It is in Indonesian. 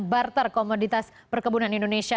barter komoditas perkebunan indonesia